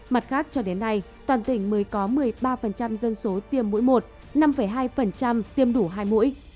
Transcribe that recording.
mặt khác cho đến nay toàn tỉnh mới có một mươi ba dân số tiêm mũi một năm hai tiêm đủ hai mũi